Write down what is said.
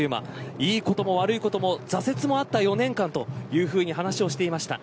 いいことも悪いことも挫折もあった４年間というふうに話をしていました。